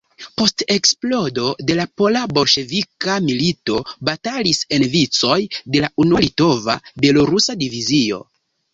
Post eksplodo de la pola-bolŝevika milito batalis en vicoj de la unua Litova-Belorusa Divizio.